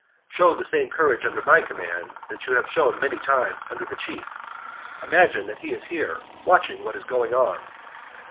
Show the same courage under my command that you have shown many a time under the chief: imagine that he is here, watching what is going on."